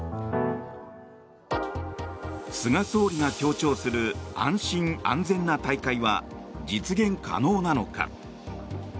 菅総理が強調する安心安全な大会は実現可能なのか。